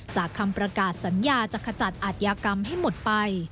คำประกาศสัญญาจะขจัดอัธยากรรมให้หมดไป